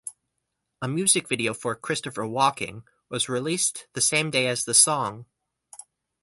A music video for "Christopher Walking" was released the same day as the song.